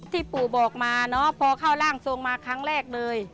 ปู่บอกมาเนอะพอเข้าร่างทรงมาครั้งแรกเลย